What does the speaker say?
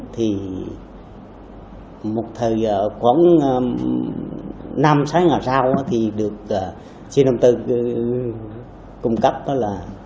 thì một thời gian khoảng năm sáu năm sau thì được sinh đồng tư cung cấp đó là